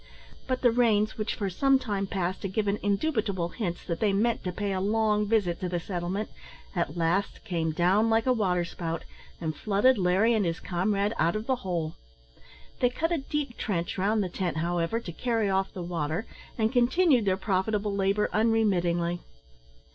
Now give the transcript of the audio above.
But the rains, which for some time past had given indubitable hints that they meant to pay a long visit to the settlement, at last came down like a waterspout, and flooded Larry and his comrade out of the hole. They cut a deep trench round the tent, however, to carry off the water, and continued their profitable labour unremittingly.